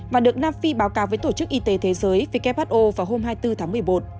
và được nam phi báo cáo với tổ chức y tế thế giới who vào hôm hai mươi bốn tháng một mươi một